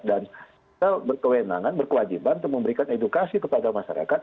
dan kita berkewenangan berkewajiban untuk memberikan edukasi kepada masyarakat